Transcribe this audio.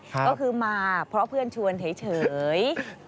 ก็คือมาเพราะเพื่อนชวนเฉย